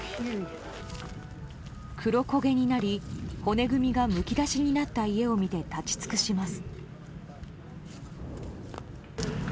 黒焦げになり骨組みがむき出しになった家を見て立ち尽くします。